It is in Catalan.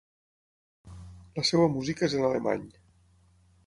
La seua música és en alemany.